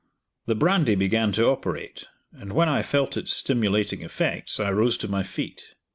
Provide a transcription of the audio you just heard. The brandy began to operate, and when I felt its stimulating effects, I rose to my feet.